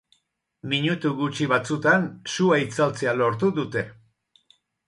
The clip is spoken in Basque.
Minutu gutxi batzutan sua itzaltzea lortu dute.